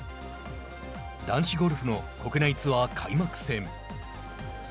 男子ゴルフの国内ツアー開幕戦。